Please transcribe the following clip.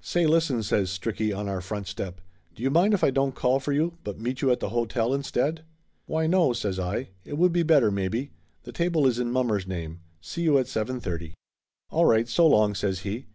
"Say listen !" says Stricky, on our front step. "Do you mind if I don't call for you, but meet you at the hotel instead?" "Why no !" says I. "It would be better, maybe. The table is in mommer's name. See you at 7 130." "All right, so long!" says he.